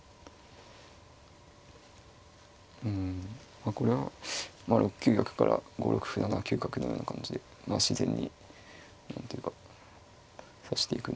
うんこれはまあ６九玉から５六歩７九角のような感じで自然に何ていうか指していくんでしょうかね。